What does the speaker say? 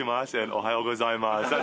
おはようございます。